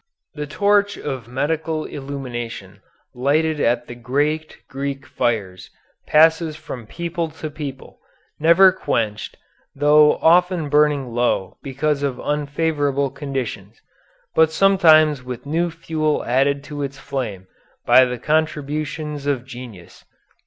The torch of medical illumination lighted at the great Greek fires passes from people to people, never quenched, though often burning low because of unfavorable conditions, but sometimes with new fuel added to its flame by the contributions of genius.